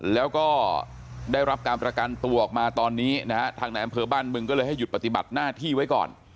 แล้วก็ได้รับการประกันตัวออกมาตอนนี้นะฮะทางในอำเภอบ้านบึงก็เลยให้หยุดปฏิบัติหน้าที่ไว้ก่อน